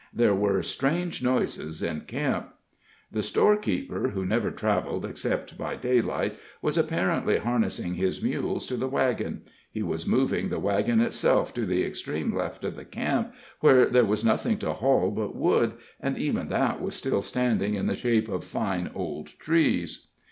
There were strange noises in camp. The storekeeper, who never traveled except by daylight, was apparently harnessing his mules to the wagon he was moving the wagon itself to the extreme left of the camp, where there was nothing to haul but wood, and even that was still standing in the shape of fine old trees.